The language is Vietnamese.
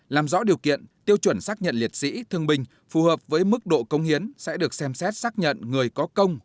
làm rõ điều kiện tiêu chuẩn xác nhận liệt sĩ thương binh phù hợp với mức độ công hiến sẽ được xem xét xác nhận người có công